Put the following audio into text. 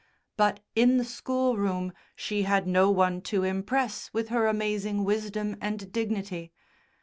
But in the schoolroom she had no one to impress with her amazing wisdom and dignity.